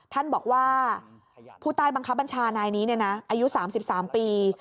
ท่านบอกว่าผู้ใต้บังคับบัญชานายนี้อายุ๓๓ปี